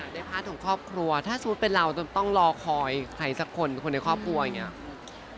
พาร์ทของครอบครัวถ้าสมมุติเป็นเราจะต้องรอคอยใครสักคนคนในครอบครัวอย่างนี้